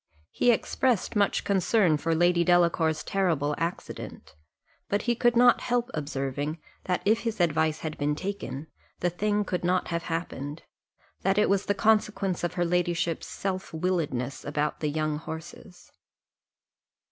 He expressed much concern for Lady Delacour's terrible accident; but he could not help observing, that if his advice had been taken, the thing could not have happened that it was the consequence of her ladyship's self willedness about the young horses.